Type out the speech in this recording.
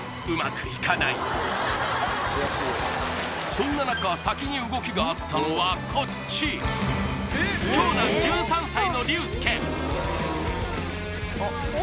そんな中先に動きがあったのはこっち長男１３歳の琉左